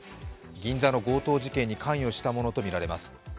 銀座の強盗事件に関与したものとみられます。